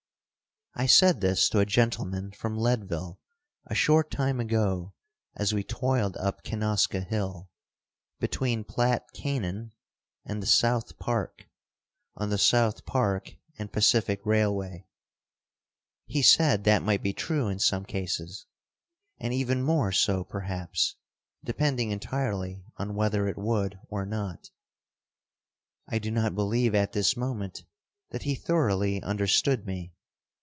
I said this to a gentleman from Leadville a short time ago as we toiled up Kenoska Hill, between Platte canon and the South Park, on the South Park and Pacific Railway. He said that might be true in some cases and even more so, perhaps, depending entirely on whether it would or not. I do not believe at this moment that he thoroughly understood me.